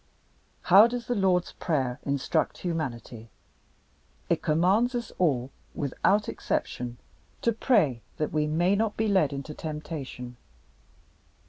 How does the Lord's Prayer instruct humanity? It commands us all, without exception, to pray that we may not be led into temptation.